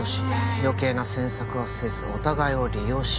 余計な詮索はせずお互いを利用しよう。